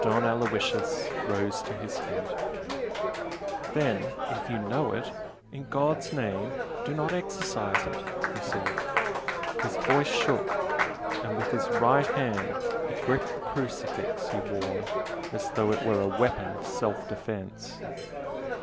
Don Aloysius rose to his feet. "Then, if you know it, in God's name do not exercise it!" he said. His voice shook and with his right hand he gripped the crucifix he wore as though it were a weapon of self defence.